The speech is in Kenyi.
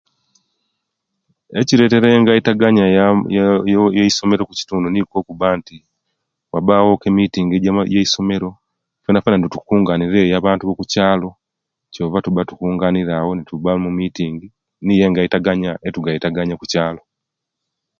Ekiretera engaitaganya ye ye eisomero omukitundu nikwo okuba nti wabawo ku emiting eje eisomero fenafena netukunganila eyo abantu bo'kukyalo kyova tukunganila awo netuba ne'miting niye egaitaganya etugaitaganya okukyalo